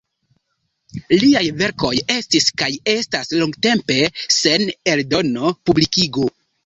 Liaj verkoj estis kaj estas longtempe sen eldono, publikigo.